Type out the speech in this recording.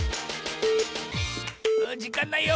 じかんないよ。